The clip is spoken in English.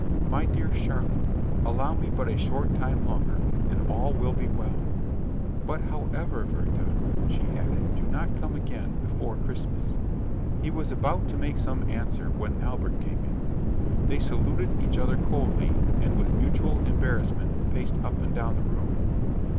My dear Charlotte, allow me but a short time longer, and all will be well." "But however, Werther," she added, "do not come again before Christmas." He was about to make some answer, when Albert came in. They saluted each other coldly, and with mutual embarrassment paced up and down the room.